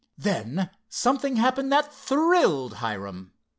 Then something happened that thrilled Hiram.